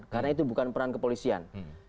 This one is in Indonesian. karena itu bukan peran kepolisian